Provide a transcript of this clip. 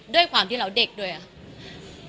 ด้วยความที่เราเด็กด้วยอะค่ะ